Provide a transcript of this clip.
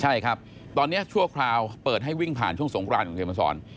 ใช่ครับตอนนี้ชั่วคราวเปิดให้วิ่งผ่านช่วงสงครานคุณเขียนมาสอน